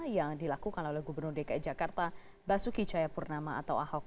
yang dilakukan oleh gubernur dki jakarta basuki cayapurnama atau ahok